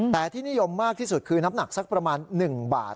แต่ที่นิยมมากที่สุดคือน้ำหนักสักประมาณ๑บาท